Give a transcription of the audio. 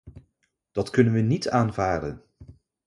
Dat kunnen we niet aanvaarden.